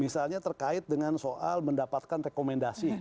misalnya terkait dengan soal mendapatkan rekomendasi